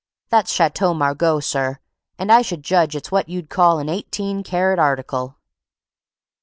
That's Château Margaux, sir, and I should judge it's what you'd call an eighteen carat article."